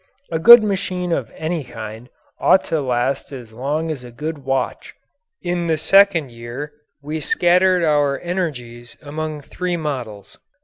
A good machine of any kind ought to last as long as a good watch. In the second year we scattered our energies among three models.